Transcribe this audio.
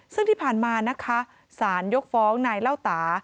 ซึ่งที่ผ่านมานะคะสารยกฟ้องนายเล่าตา